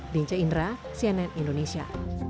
dinja indra cnn indonesia